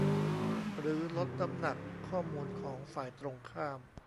หรือลดน้ำหนักข้อมูลของฝ่ายตรงข้าม